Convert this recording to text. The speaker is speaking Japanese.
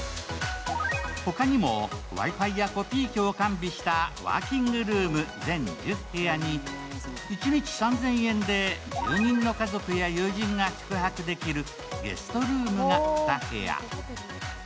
他にもＷｉ−Ｆｉやコピー機を用意したワーキングルーム全１０部屋に一日３０００円で住人の家族や友人が宿泊できるゲストルームが２部屋。